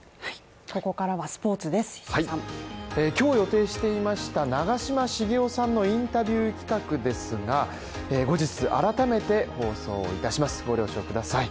今日予定していました長嶋茂雄さんのインタビュー企画ですが後日改めて放送いたしますご了承ください